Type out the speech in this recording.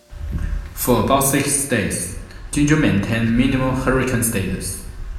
For about six days, Ginger maintained minimal hurricane status.